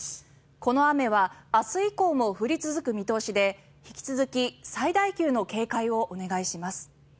この雨は明日以降も降り続く見通しで引き続き最大級の警戒をお願いいたします。